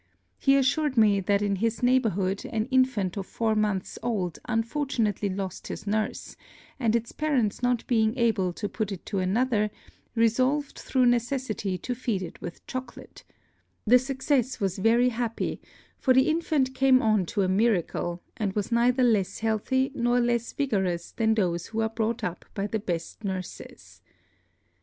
He assured me, that in his Neighbourhood, an Infant of four Months old unfortunately lost his Nurse, and its Parents not being able to put it to another, resolved through Necessity to feed it with Chocolate; the Success was very happy, for the Infant came on to a Miracle, and was neither less healthy nor less vigorous than those who are brought up by the best Nurses.